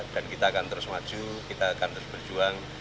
dan kita akan terus maju kita akan terus berjuang